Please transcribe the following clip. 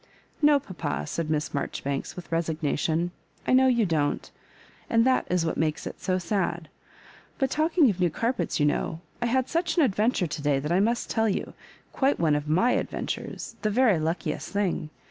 No, papa," said Miss Marjoribanks, with resignation. "I know you don't, and that is what makes it so sad. But talking of new car pets, you know, I had such an adventure to day that I must tell you — quite oneof tm^ adventures — ^the very luckiest thing.